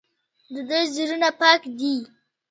د دوی زړونه پاک دي.